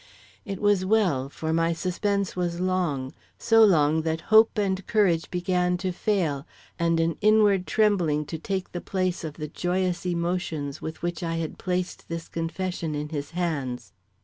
It was well, for my suspense was long, so long that hope and courage began to fail and an inward trembling to take the place of the joyous emotions with which I had placed this confession in his hands.